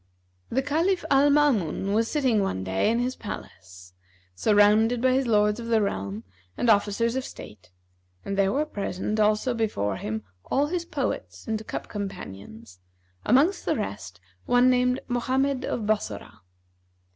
The Caliph Al Maamun was sitting one day in his palace, surrounded by his Lords of the realm and Officers of state, and there were present also before him all his poets and cup companions amongst the rest one named Mohammed of Bassorah.